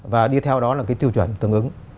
và đi theo đó là cái tiêu chuẩn tương ứng